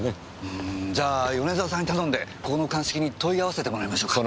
うーんじゃあ米沢さんに頼んでここの鑑識に問い合わせてもらいましょうか。